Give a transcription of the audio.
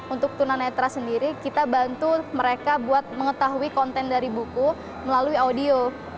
untuk tunanetra sendiri kita bantu mereka buat mengetahui konten dari buku melalui audio